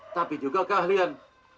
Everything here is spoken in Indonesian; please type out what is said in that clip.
tapi juga keahlian